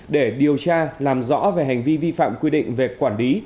để điều tra làm rõ về hành vi vi phạm quy định về quản lý